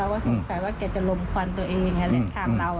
เราก็สงสัยว่าแกจะลมควันตัวเองอะไรต่างเรา